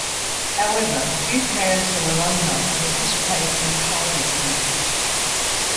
However, few parents and alumni participate in parliament meetings.